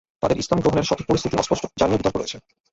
তাদের ইসলাম গ্রহণের সঠিক পরিস্থিতি অস্পষ্ট যা নিয়ে বিতর্ক রয়েছে।